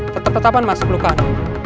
tetap tetapan mas pelukan